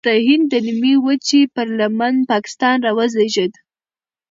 د هند د نیمې وچې پر لمن پاکستان راوزېږید.